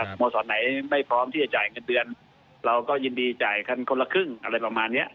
สโมสรไหนไม่พร้อมที่จะจ่ายเงินเดือนเราก็ยินดีจ่ายคันคนละครึ่งอะไรประมาณเนี้ย